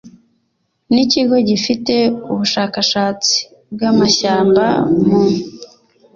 n Ikigo gifite ubushakashatsi bw amashyamba mu